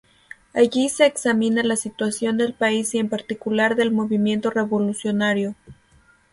Allí se examina la situación del país y en particular del movimiento revolucionario.